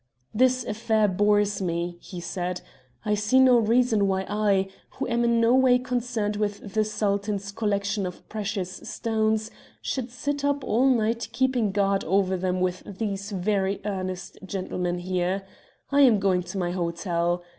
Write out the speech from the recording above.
"'This affair bores me,' he said. 'I see no reason why I, who am in no way concerned with the Sultan's collection of precious stones, should sit up all night keeping guard over them with these very earnest gentlemen here. I am going to my hotel.